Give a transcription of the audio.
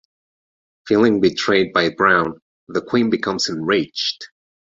Feeling betrayed by Brown, the Queen becomes enraged.